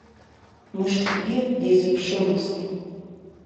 Мышкгьы дизыԥшымызт.